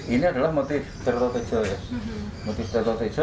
ini adalah motif tertutup itu ya